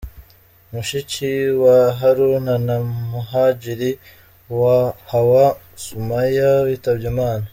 Mushiki wa Haruna na Muhadjili Hawa Sumaya witabye Imana.